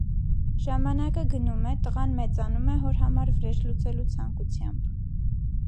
Ժամանակը գնում է, տղան մեծանում է հոր համար վրեժ լուծելու ցանկությամբ։